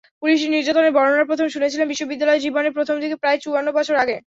পুলিশি নির্যাতনের বর্ণনা প্রথম শুনেছিলাম বিশ্ববিদ্যালয়জীবনের প্রথম দিকে, প্রায় চুয়ান্ন বছর আগে।